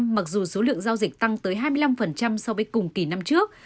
mặc dù số lượng giao dịch tăng tới hai mươi năm so với cùng kỳ năm trước